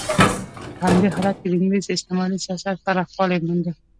په همدې حالت کې د انګلیس استعماري سیاست پراخوالی مونده.